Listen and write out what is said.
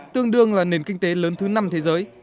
tương đương là nền kinh tế lớn thứ năm thế giới